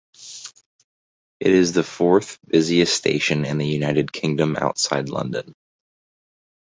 It is the fourth busiest station in the United Kingdom outside London.